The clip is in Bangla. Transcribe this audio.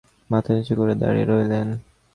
মাথা নিচু করে দাঁড়িয়ে রইলেন।